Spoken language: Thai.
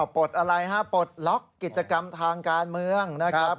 ปลดอะไรฮะปลดล็อกกิจกรรมทางการเมืองนะครับ